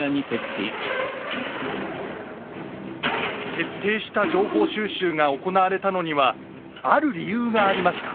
徹底した情報収集が行われたのにはある理由がありました。